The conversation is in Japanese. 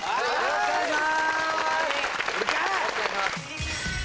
お願いします！